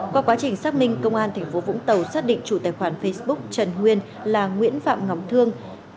qua quá trình xác minh công an tp vũng tàu xác định chủ tài khoản facebook trần nguyên là nguyễn phạm ngọc thương